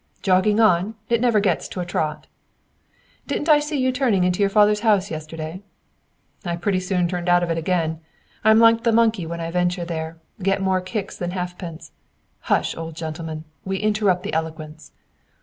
"Jogging on. It never gets to a trot." "Didn't I see you turning into your father's house yesterday?" "I pretty soon turned out of it again. I'm like the monkey when I venture there get more kicks than halfpence. Hush, old gentleman! We interrupt the eloquence."